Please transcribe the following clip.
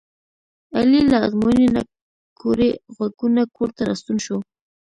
علي له ازموینې نه کوړی غوږونه کورته راستون شو.